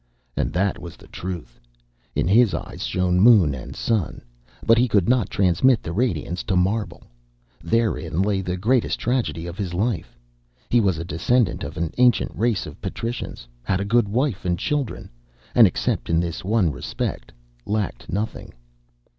And that was the truth. In his eyes shone moon and sun. But he could not transmit the radiance to marble. Therein lay the greatest tragedy of his life. He was a descendant of an ancient race of patricians, had a good wife and children, and except in this one respect, lacked nothing.